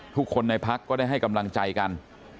ทุกคนในพักก็ได้ให้กำลังใจกัน